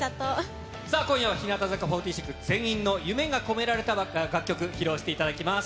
今夜は日向坂４６全員の夢が込められた楽曲、披露していただきます。